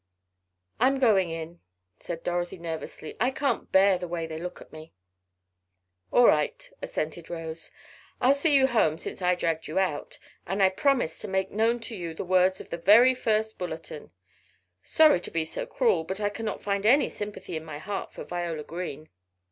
"I'm going in," said Dorothy, nervously. "I can't bear the way they look at me." "All right," assented Rose, "I'll see you home since I dragged you out. And I'll promise to make known to you the words of the very first bulletin. Sorry to be so cruel, but I cannot find any sympathy in my heart for Viola Green."